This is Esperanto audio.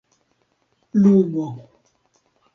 lumo